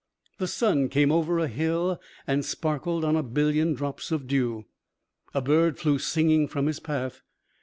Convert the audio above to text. The sun came over a hill and sparkled on a billion drops of dew. A bird flew singing from his path.